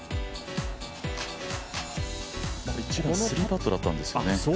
このパットだったんですよね。